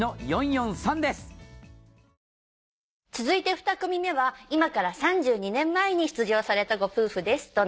続いてふた組目は今から３２年前に出場されたご夫婦です